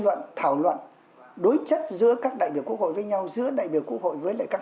luận thảo luận đối chất giữa các đại biểu quốc hội với nhau giữa đại biểu quốc hội với các